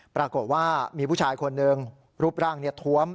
ปรากฏว่ามีผู้ชายคนหนึ่งรูปร่างทวม